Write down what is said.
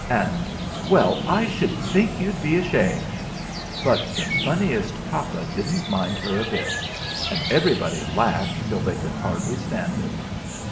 and, 'Well, I should think you'd be ashamed!' but the funniest papa didn't mind her a bit; and everybody laughed till they could hardly stand it.